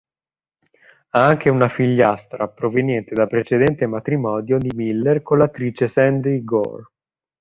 Ha anche una figliastra, proveniente dal precedente matrimonio di Miller con l'attrice Sandy Gore.